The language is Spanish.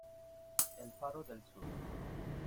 el faro del sur